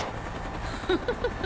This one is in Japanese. フフフフ。